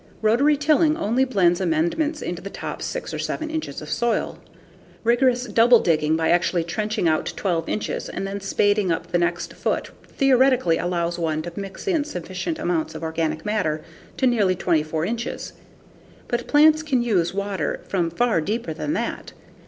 Rotary tilling only blends amendments into the top 6 or 7 inches of soil. Rigorous double digging by actually trenching out 12 inches and then spading up the next foot theoretically allows one to mix in significant amounts of organic matter to nearly 24 inches. But plants can use water from far deeper than that.